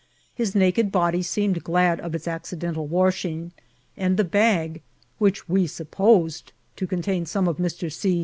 His naked body seemed glad of its accidental washing, and the bag, which we 8up« posed to contain some of Mr. C.'